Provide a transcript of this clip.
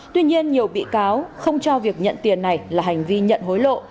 tuy nhiên nhiều bị cáo không cho việc nhận tiền này là hành vi nhận hối lộ